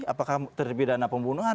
apakah kamu terpidana pembunuhan